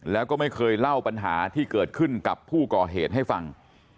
แล้วก็ไม่เคยเล่าปัญหาที่เกิดขึ้นกับผู้ก่อเหตุให้ฟัง